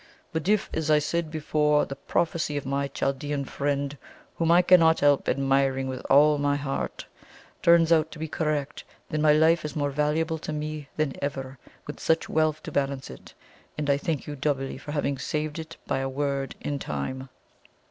But if, as I said before, the prophecy of my Chaldean friend, whom I cannot help admiring with all my heart, turns out to be correct, then my life is more valuable to me than ever with such wealth to balance it, and I thank you doubly for having saved it by a word in time."